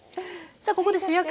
さあここで主役。